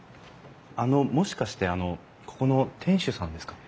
あのもしかしてあのここの店主さんですか？